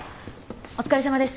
お疲れさまです。